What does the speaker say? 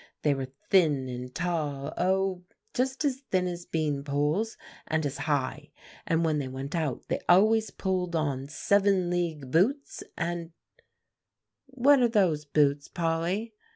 They were thin and tall oh! just as thin as bean poles, and as high; and when they went out they always pulled on seven league boots, and" "What are those boots, Polly?"